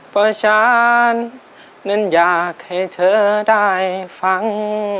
เพราะฉะนั้นอยากให้เธอได้ฟัง